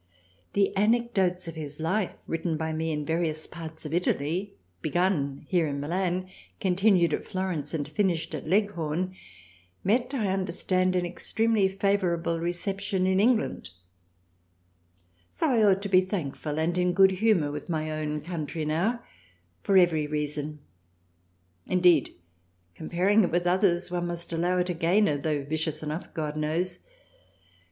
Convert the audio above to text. The Anecdotes of his Life written by me in various THRALIANA 43 parts of Italy, begun here in Milan, continued at Florence and finished at Leghorn, met I understand with an extremely favourable Reception in England ; so I ought to be thankful and in good Humour with my own Country now — for every reason. Indeed comparing it with others, one must allow it a gainer tho' vicious enough God knows.